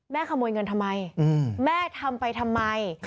ขโมยเงินทำไมแม่ทำไปทำไม